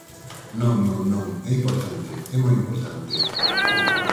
Non, non, non, é importante, é moi importante.